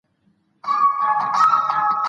دې وخت کې زموږ